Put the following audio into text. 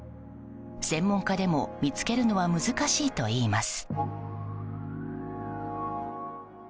専門家でも見つけるのは難しいといいます。